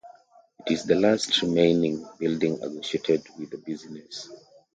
It is the last remaining building associated with the business.